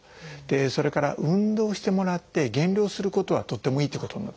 それから運動してもらって減量することはとってもいいっていうことになる。